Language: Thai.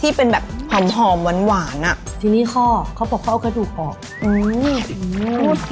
ที่เป็นแบบหอมหอมอะค่ะนี่นี่ค่ะเขาฝรั่งออกครูดออก